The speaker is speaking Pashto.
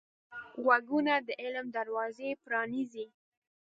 غوږونه د علم دروازې پرانیزي